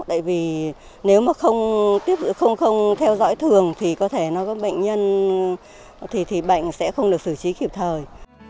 đại vì nếu mà không theo dõi thường thì có thể bệnh nhân sẽ không được xử trí kịp thời